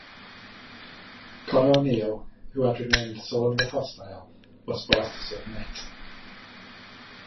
Conn O'Neill, who had remained sullenly hostile, was forced to submit.